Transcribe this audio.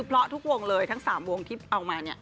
เพราะทุกวงเลยทั้ง๓วงที่เอามาเนี่ย